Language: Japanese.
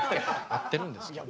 合ってるんですか？